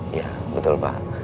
iya betul pak